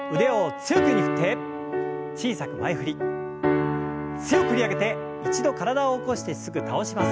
強く振り上げて一度体を起こしてすぐ倒します。